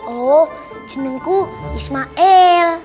oh jenengku ismail